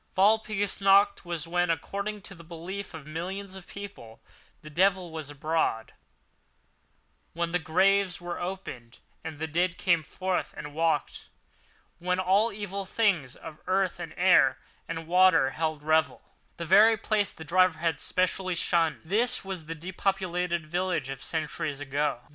Walpurgis Night, when, according to the belief of millions of people, the devil was abroad—when the graves were opened and the dead came forth and walked. When all evil things of earth and air and water held revel. This very place the driver had specially shunned. This was the depopulated village of centuries ago.